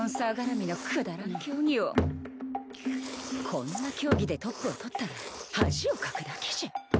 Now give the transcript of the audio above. こんな競技でトップを取ったら恥をかくだけじゃ